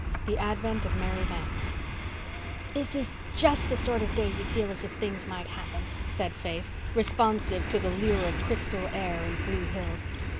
THE ADVENT OF MARY VANCE "This is just the sort of day you feel as if things might happen," said Faith, responsive to the lure of crystal air and blue hills.